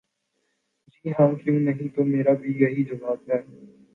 ''جی ہاں، کیوں نہیں‘‘ ''تو میرا بھی یہی جواب ہے۔